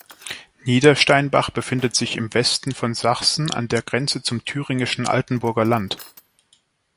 Niedersteinbach befindet sich im Westen von Sachsen an der Grenze zum thüringischen Altenburger Land.